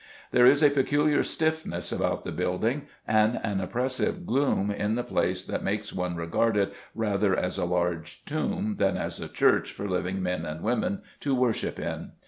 There is a peculiar stiffness about the building and an oppressive gloom in the place that makes one regard it rather as a large tomb than as a church for living men and women to worship in.